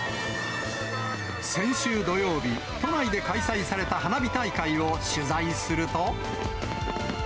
先週土曜日、都内で開催された花火大会を取材すると。